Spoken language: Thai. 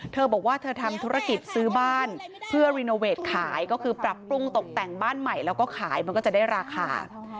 เธอบอกว่าเธอทำธุรกิจซื้อบ้านเพื่อรีโนเวทขายก็คือปรับปรุงตกแต่งบ้านใหม่แล้วก็ขายมันก็จะได้ราคา